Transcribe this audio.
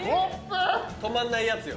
止まんないやつよ。